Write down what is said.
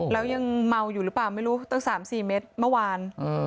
แล้วยังเมาอยู่หรือเปล่าไม่รู้ตั้ง๓๔เมตรเมื่อวาน